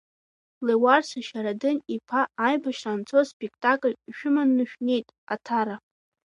Леуарса Шьарадын-иԥа, аибашьра анцоз спектакльк шәыманы шәнеит Аҭара.